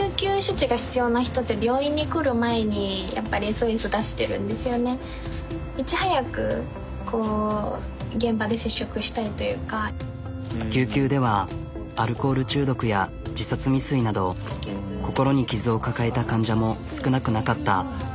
何かやっぱりこう救急ではアルコール中毒や自殺未遂など心に傷を抱えた患者も少なくなかった。